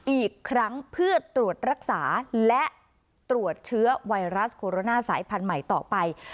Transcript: อีกครั้งเพื่อตรวจรักษาและตรวจเชื้อไวรัสโคโรนาสายพันธุ์ใหม่ต่อไป